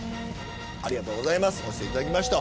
ありがとうございます押していただきました。